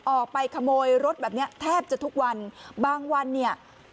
ออกไปขโมยรถแบบเนี้ยแทบจะทุกวันบางวันเนี่ย